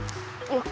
よっ。